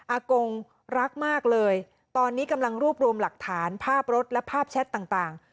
กงรักมากเลยตอนนี้กำลังรวบรวมหลักฐานภาพรถและภาพแชทต่าง